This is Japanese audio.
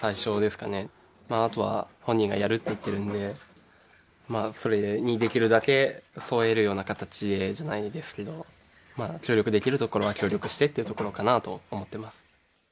まああとは本人がやるって言ってるのでそれにできるだけ沿えるような形でじゃないですけど協力できるところは協力してっていうところかなと思ってます。